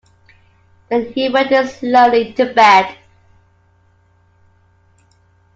Then he went slowly to bed.